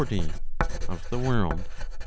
(Of the World). ii.